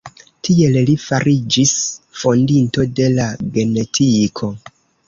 Tiel li fariĝis fondinto de la genetiko.